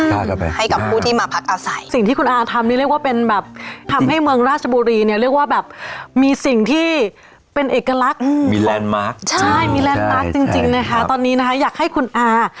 ธุรกิจที่เราทำดูเราไม่ได้ลดราคา